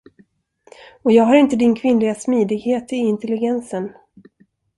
Och jag har inte din kvinnliga smidighet i intelligensen.